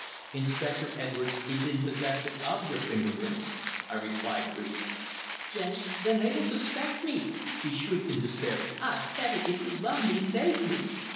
"Inspector Edwards is in possession of your finger prints," I replied briefly. "Then then they will suspect me!" she shrieked in despair. "Ah! Teddy! If you love me, save me!"